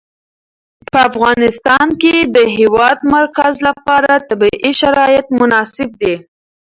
په افغانستان کې د د هېواد مرکز لپاره طبیعي شرایط مناسب دي.